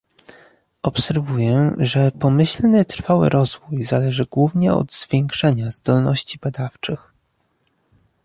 Obserwuję, że pomyślny trwały rozwój zależy głównie od zwiększenia zdolności badawczych